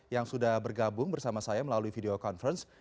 yang sudah bergabung bersama saya melalui video conference